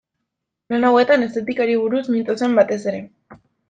Lan hauetan estetikari buruz mintzo zen batez ere.